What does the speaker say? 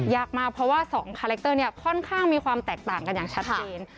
ยากมากเพราะว่า๒คาแรคเตอร์เนี่ยค่อนข้างมีความแตกต่างกันอย่างชัดเจน